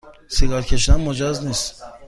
سیگار کشیدن مجاز نیست